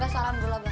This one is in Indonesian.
salam gula abah